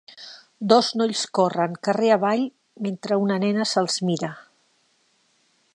Dos nois corren carrer avall mentre una nena se'ls mira.